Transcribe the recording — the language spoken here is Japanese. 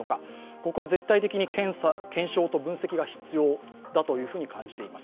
ここは絶対的に検証と分析が必要と感じています。